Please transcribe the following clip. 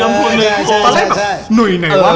อาจจะเรียกแบบหนุ่ยไหนวะ